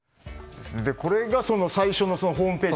これが最初のホームページ